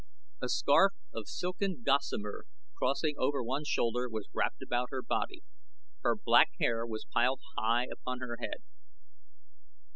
A scarf of silken gossamer crossing over one shoulder was wrapped about her body; her black hair was piled high upon her head.